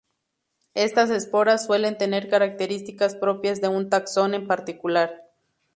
Estas esporas suelen tener características propias de un taxón en particular.